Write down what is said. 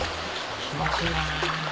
気持ちいいなぁ。